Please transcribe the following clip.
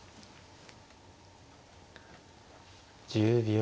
１０秒。